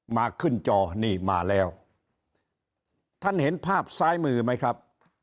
มาขึ้นจอนี่มาแล้วท่านเห็นภาพซ้ายมือไหมครับ